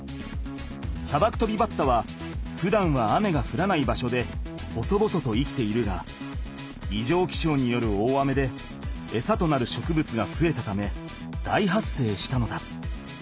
サバクトビバッタはふだんは雨がふらない場所で細々と生きているがいじょうきしょうによる大雨でエサとなる植物がふえたため大発生したのだ。